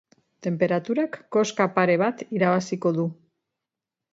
Tenperaturak koska pare bat irabaziko du.